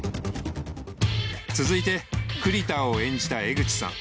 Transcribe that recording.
続いて栗田を演じた江口さん